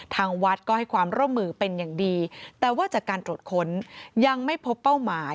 ทางวัดก็ให้ความร่วมมือเป็นอย่างดีแต่ว่าจากการตรวจค้นยังไม่พบเป้าหมาย